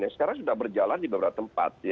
sekarang sudah berjalan di beberapa tempat